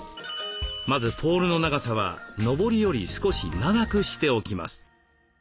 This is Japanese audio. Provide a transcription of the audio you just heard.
まずポールの長さはのぼりより少し長くしておきます。